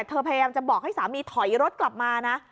พยายามจะบอกให้สามีถอยรถกลับมานะ